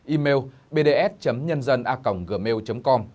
email bds nhân dân a gmail com